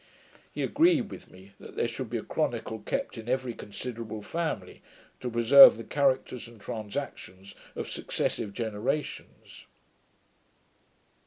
He agreed with me that there should be a chronicle kept in every considerable family, to preserve the characters and transactions of successive generations.